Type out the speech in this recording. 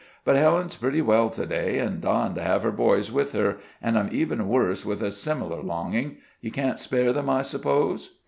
But Helen's pretty well to day, and dying to have her boys with her, and I'm even worse with a similar longing. You can't spare them, I suppose?"